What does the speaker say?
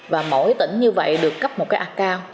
và mỗi tỉnh như vậy được cấp một cái account